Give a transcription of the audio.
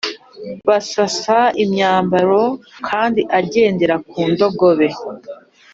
Basasa imyambaro kandi agendera ku ndogobe